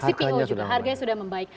cpo juga harganya sudah membaik